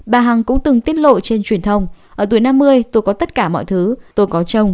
bà hằng cũng từng tiết lộ trên truyền thông